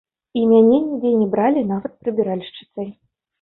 І мяне нідзе не бралі нават прыбіральшчыцай.